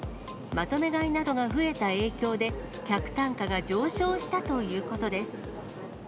まとめ買いなどが増えた影響で、客単価が上昇したということです。